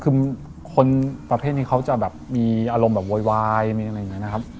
คือคนประเภทนี้เขาจะแบบมีอารมณ์แบบโวยวายมีอะไรอย่างนี้นะครับ